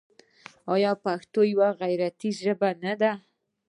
آیا پښتو یوه غیرتي ژبه نه ده؟